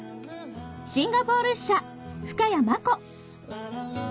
シンガポール支社深谷真子